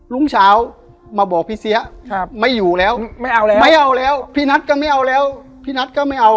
รุ่งเช้ามาบอกพี่เสียไม่อยู่แล้วไม่เอาแล้วไม่เอาแล้วพี่นัทก็ไม่เอาแล้วพี่นัทก็ไม่เอา